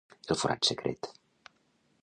El forat secret